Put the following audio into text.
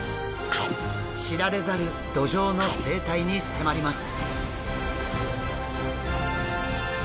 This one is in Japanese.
知られざるドジョウの生態に迫ります。